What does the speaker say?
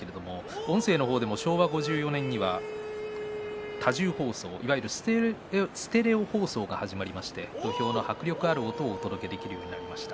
音声も昭和５４年には多重放送いわゆるステレオ放送が始まりまして土俵の迫力ある音をお届けできるようになりました。